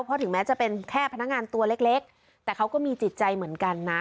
เพราะถึงแม้จะเป็นแค่พนักงานตัวเล็กแต่เขาก็มีจิตใจเหมือนกันนะ